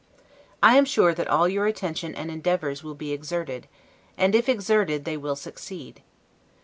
I am sure that all your attention and endeavors will be exerted; and, if exerted, they will succeed.